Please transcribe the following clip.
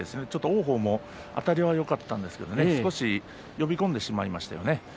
王鵬もあたりはよかったんですが少し呼び込んでしまいましたよね。